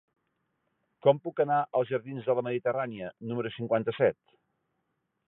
Com puc anar als jardins de la Mediterrània número cinquanta-set?